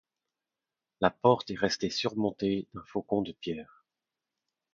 La porte est restée surmontée d’un faucon de pierre.